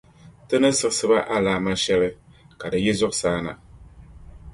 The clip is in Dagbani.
Ti ni siɣisiba alaama shεli ka di yi zuɣusaa na.